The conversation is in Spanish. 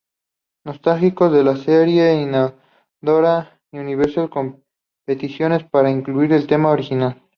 Nostálgicos de la serie inundaron a Universal con peticiones para incluir el tema original.